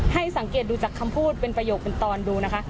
ให้สังเกตดูจากคำพูดเป็นประโยคเป็นตอนดูนะคะ